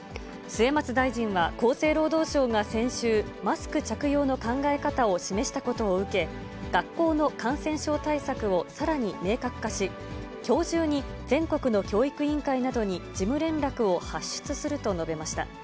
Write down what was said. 末松大臣は、厚生労働省が先週、マスク着用の考え方を示したことを受け、学校の感染症対策をさらに明確化し、きょう中に全国の教育委員会などに事務連絡を発出すると述べました。